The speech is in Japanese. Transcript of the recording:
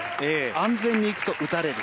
安全にいくと打たれる。